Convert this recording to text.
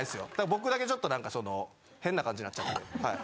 僕だけちょっとなんかその変な感じになっちゃって。